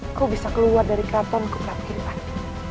aku bisa keluar dari keraton kepala giripati